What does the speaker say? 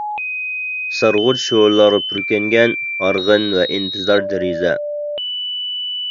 سارغۇچ شولىلارغا پۈركەنگەن، ھارغىن ۋە ئىنتىزار دېرىزە!